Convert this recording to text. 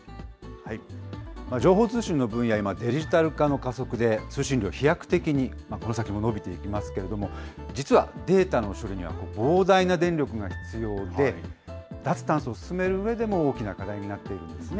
情報通信の分野、今、デジタル化の加速で通信量、飛躍的に、この先も伸びていきますけれども、実はデータの処理には膨大な電力が必要で、脱炭素を進めるうえでも、大きな課題になっているんですね。